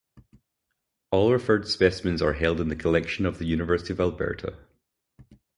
All referred specimens are held in the collection of the University of Alberta.